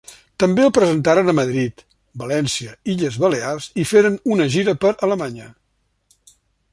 També el presentaren a Madrid, València, Illes Balears i feren una gira per Alemanya.